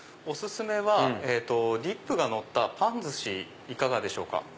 お薦めはディップがのったパンずしいかがでしょうか？